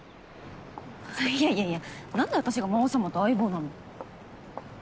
いやいやいや何で私が魔王様と相棒なの。